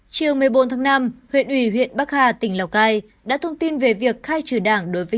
chiều một mươi bốn tháng năm huyện ủy huyện bắc hà tỉnh lào cai đã thông tin về việc khai trừ đảng đối với